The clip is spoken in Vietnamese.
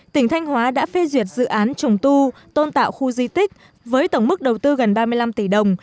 tỉnh thanh hóa đã phê duyệt dự án trùng tu tôn tạo khu di tích với tổng mức đầu tư gần ba mươi năm tỷ đồng